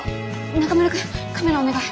中村くんカメラお願い！